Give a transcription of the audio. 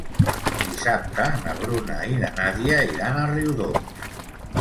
Dissabte na Bruna i na Nàdia iran a Riudoms.